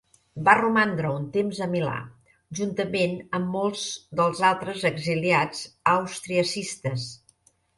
Va romandre un temps a Milà, juntament amb molts dels altres exiliats austriacistes.